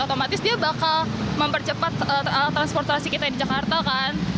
otomatis dia bakal mempercepat transportasi kita di jakarta kan